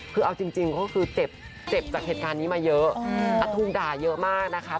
คือเอาจริงก็คือเจ็บจากเหตุการณ์นี้มาเยอะถูกด่าเยอะมากนะคะ